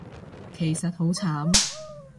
其實好慘